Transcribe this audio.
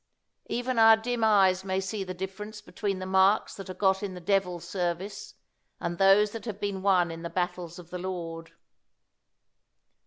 Even our dim eyes may see the difference between the marks that are got in the devil's service and those that have been won in the battles of the Lord.